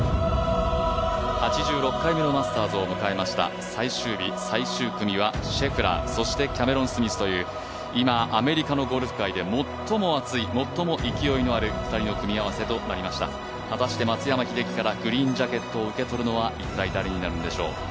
８６回目のマスターズを迎えました、最終日最終組はシェフラー、キャメロン・スミスという今、アメリカのゴルフ界で最も熱い最も勢いのある２人の組み合わせとなりました、果たして松山英樹からグリーンジャケットを受け取るのは一体誰になるんでしょう。